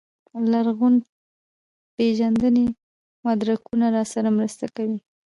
لرغونپېژندنې مدرکونه راسره مرسته کوي.